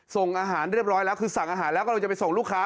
ส่งอาหารเรียบร้อยแล้วคือสั่งอาหารแล้วกำลังจะไปส่งลูกค้า